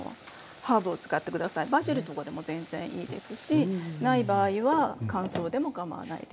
バジルとかでも全然いいですしない場合は乾燥でもかまわないです。